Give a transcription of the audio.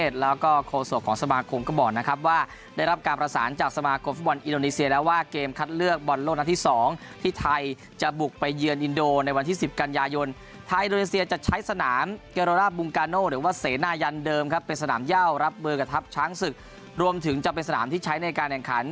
ส่วนอะไรอื่นนั้นเดี๋ยวคงมาแจ้งให้ทราบต่อไปนะครับ